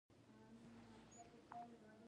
تورې شرنګېدې.